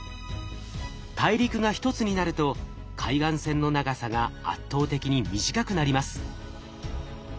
大陸が一つになると海岸線の長さが圧倒的に短くなります。